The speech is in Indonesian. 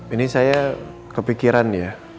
ini saya kepikiran ya